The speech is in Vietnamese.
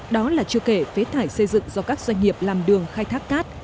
đó là chưa kể phế thải xây dựng do các doanh nghiệp làm đường khai thác cát